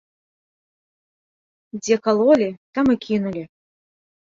Дзе калолі, там і кінулі.